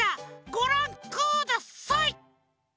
ごらんください！